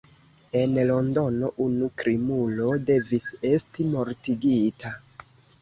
En Londono unu krimulo devis esti mortigita.